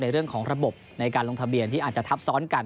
เรื่องของระบบในการลงทะเบียนที่อาจจะทับซ้อนกัน